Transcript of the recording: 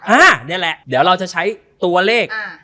อันนี้แหละเดี๋ยวเราจะใช้ตัวเลข